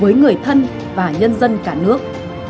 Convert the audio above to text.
với người thân và nhân dân cả nước